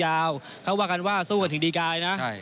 เขาว่ากันว่าสู้กันถึงดีกายนะ